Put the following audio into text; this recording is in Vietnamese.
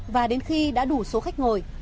và đến khi đã đủ số khách ngồi